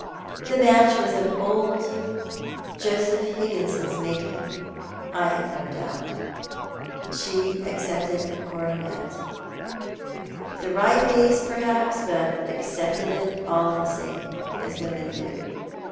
Tho match was of old Sir Joseph Higginson's making, I have no doubt. She arcoiiteel a coronet— ^with a wry face, perhaps, but accepted it, all the same, as women do.